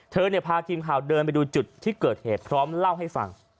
เธอพาครีมค้าวดูจุดที่เกิดเหตุแล้วพูดให้พัก